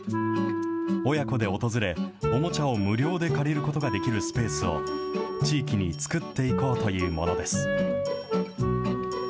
親子で訪れ、おもちゃを無料で借りることができるスペースを、地域に作っていこうというものです。